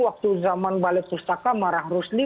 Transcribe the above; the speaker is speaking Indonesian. waktu zaman balai pustaka marah rusli